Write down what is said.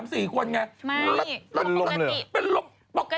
ไม่บอกกระติบ